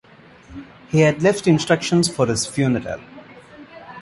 He had left instructions for his funeral.